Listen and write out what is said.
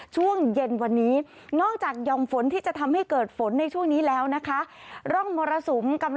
ช่วงเย็นวันนี้นอกจากย่องฝนที่จะทำให้เกิดฝนในช่วงนี้แล้วนะคะ